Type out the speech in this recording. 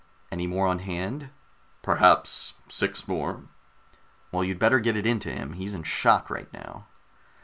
"Any more on hand?" "Perhaps six more." "Well, you'd better get it into him. He's in shock right now."